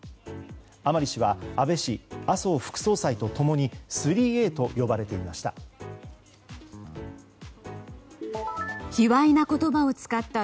甘利氏は安倍氏麻生副総裁と共に３Ａと呼ばれていました。